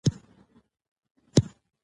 ما ته په سر اوسترګو منظور وه .